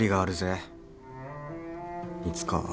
いつかは。